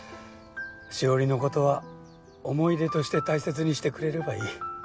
史織の事は思い出として大切にしてくれればいい。